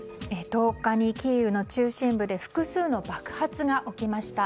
１０日にキーウの中心部で複数の爆発が起きました。